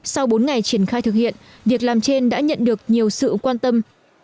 sau bốn ngày triển khai thực hiện việc làm trên đã nhận được nhiều sự quan tâm